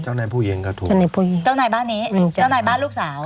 จ้าวไหนผู้ยี่เองก็ถูกจ้าวไหนผู้ยี่จ้าวไหนบ้านี้จ้าวไหนบ้านลูกสาว